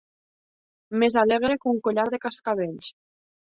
Més alegre que un collar de cascavells.